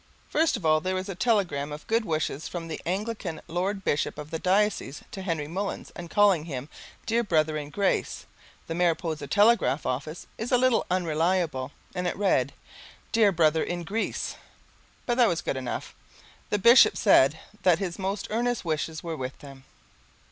First of all there was a telegram of good wishes from the Anglican Lord Bishop of the Diocese to Henry Mullins and calling him Dear Brother in Grace the Mariposa telegraph office is a little unreliable and it read: "Dear Brother in grease," but that was good enough. The Bishop said that his most earnest wishes were with them.